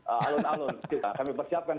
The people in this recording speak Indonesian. alun alun kami persiapkan